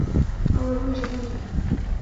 আমার ভয় সেখানেই।